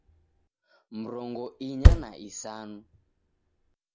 Mrongo inya na isanu